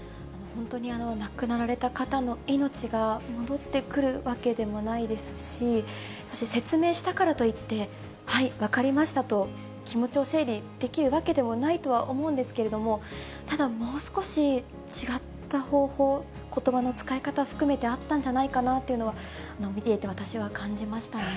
本当に亡くなられた方の命が戻ってくるわけではないですし、そして、説明したからといって、はい、分かりましたと、気持ちを整理できるわけでもないと思うんですけど、ただ、もう少し違った方法、ことばの使い方含めて、あったんじゃないかなというのは、見ていて、私は感じましたね。